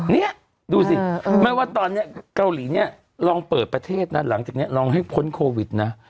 นี่ดูสิไม่ว่าตอนนี้เกาหลีเนี่ยลองเปิดประเทศนะหลังจากนี้ลองให้พ้นโควิดนะ